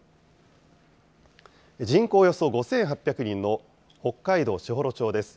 人口およそ５８００人の北海道士幌町です。